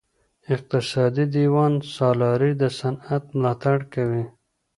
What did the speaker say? اقتصادي دیوان سالاري د صنعت ملاتړ کوي.